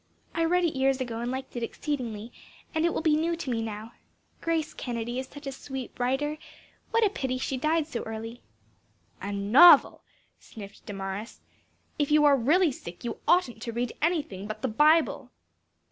I read it years ago and liked it exceedingly, and it will be new to me now. Grace Kennedy is such a sweet writer; what a pity she died so early!" "A novel!" sniffed Damaris. "If you are really sick you oughtn't to read anything but the Bible."